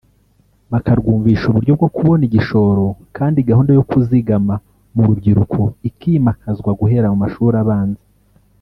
bakarwumvisha uburyo bwo kubona igishoro kandi gahunda yo kuzigama mu rubyiruko ikimakazwa guhera mu mashuri abanza